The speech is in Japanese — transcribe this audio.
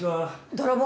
泥棒？